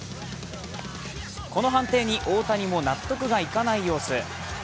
この判定に大谷も納得がいかない様子。